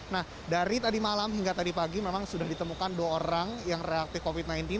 nah dari tadi malam hingga tadi pagi memang sudah ditemukan dua orang yang reaktif covid sembilan belas